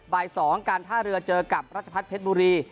บ่าย๒การท่าเรือเจอกับรัชพัฒนเพชรบุรี